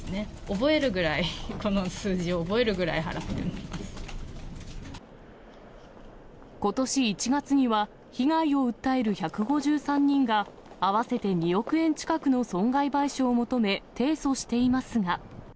覚えるぐらい、この数字を覚えることし１月には、被害を訴える１５３人が、合わせて２億円近くの損害賠償を求め提訴していますが。